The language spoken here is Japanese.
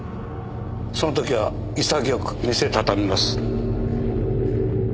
その時は潔く店たたみます。